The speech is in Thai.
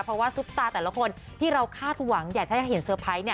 เพราะว่าทุกตาแต่ละคนที่เราคาดหวังอยากจะเห็นสบายเนี้ย